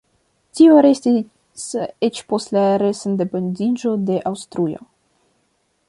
Tio restis eĉ post la re-sendependiĝo de Aŭstrujo.